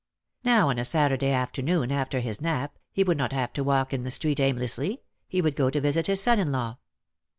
Now on a Saturday after noon after his nap, he would not have to walk in the street aimlessly, he would go to visit his son in law.